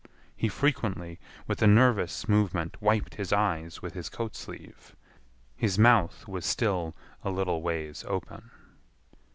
He frequently, with a nervous movement, wiped his eyes with his coat sleeve. His mouth was still a little ways open.